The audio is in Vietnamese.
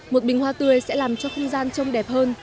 một bình hoa tươi sẽ làm cho không gian trông đẹp hơn